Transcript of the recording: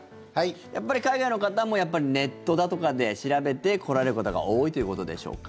やっぱり海外の方もネットだとかで調べて来られる方が多いということでしょうか。